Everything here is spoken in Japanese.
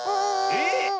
えっ